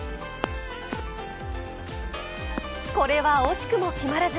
これは惜しくも決まらず。